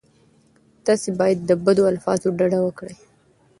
تاسې باید له بدو الفاظو ډډه وکړئ.